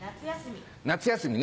夏休み。